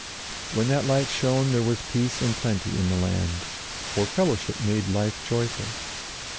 When that light shone there was peace and plenty in the land, for fellowship made life joyful.